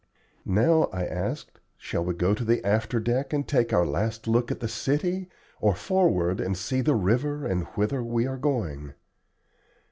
"Now," I asked, "shall we go to the after deck and take our last look at the city, or forward and see the river and whither we are going?"